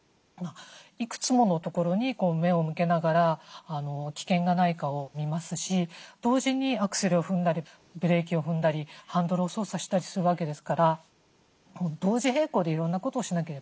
いくつものところに目を向けながら危険がないかを見ますし同時にアクセルを踏んだりブレーキを踏んだりハンドルを操作したりするわけですから同時並行でいろんなことをしなければいけない。